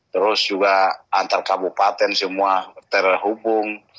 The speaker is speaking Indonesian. terus juga antar kabupaten semua terhubung